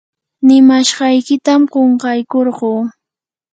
nimashqaykitam qunqaykurquu.